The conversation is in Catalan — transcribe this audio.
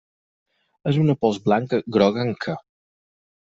És una pols blanca groguenca.